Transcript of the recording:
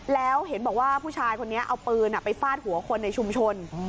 แล้วเห็นบอกว่าผู้ชายคนนี้เอาปืนไปฟาดหัวคนในชุมชน